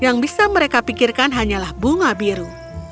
yang bisa mereka pikirkan hanyalah bunga biru